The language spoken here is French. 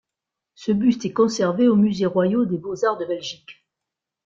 Ce buste est conservé au musées royaux des beaux-arts de Belgique.